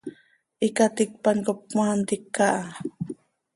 Icaticpan cop cmaa ntica ha.